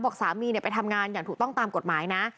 บอกสามีไปทำงานอย่างถูกต้องตามกฎหมายนะ